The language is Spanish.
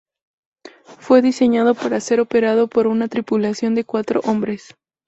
Fue diseñado para ser operado por una tripulación de cuatro hombres.